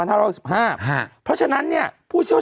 ถูกต้องถูกต้อง